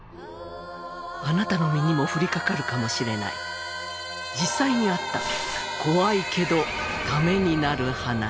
あなたの身にも降りかかるかもしれない実際にあった怖いけどタメになる話。